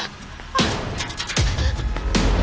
sim template ya